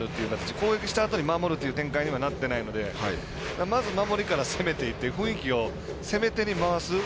攻撃したあとに守るという展開にはなっていないのでまず守りから攻めていって雰囲気を攻め手に回す。